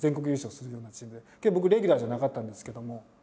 けど僕レギュラーじゃなかったんですけども。